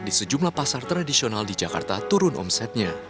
di sejumlah pasar tradisional di jakarta turun omsetnya